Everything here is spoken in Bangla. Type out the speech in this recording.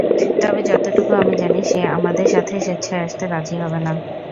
তবে যতটুকু আমি জানি, সে আমাদের সাথে স্বেচ্ছায় আসতে রাজি হবে না।